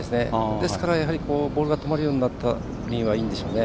ですからボールが止まるようになったグリーンはいいでしょうね。